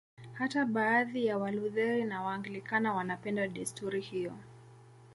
Hata baadhi ya Walutheri na Waanglikana wanapenda desturi hiyo.